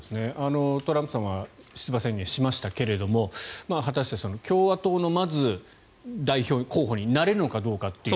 トランプさんは出馬宣言しましたが果たして共和党の代表候補になれるのかどうかと。